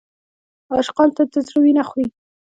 عاشقان تل د زړه وینه خوري.